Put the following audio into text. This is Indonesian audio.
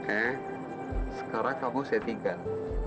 oke sekarang kamu settingan